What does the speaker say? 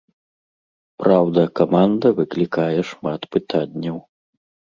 Праўда, каманда выклікае шмат пытанняў.